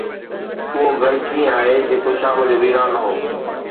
اهو گهر ڪيئن آهي جيڪو شام جو ويران هو.